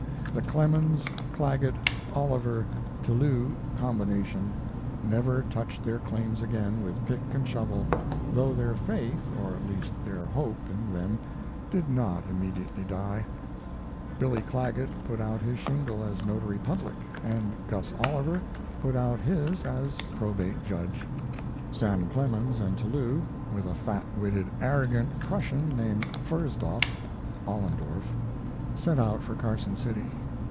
The Clemens Clagget Oliver Tillou combination never touched their claims again with pick and shovel, though their faith, or at least their hope, in them did not immediately die. Billy Clagget put out his shingle as notary public, and Gus Oliver put out his as probate judge. Sam Clemens and Tillou, with a fat witted, arrogant Prussian named Pfersdoff (Ollendorf) set out for Carson City.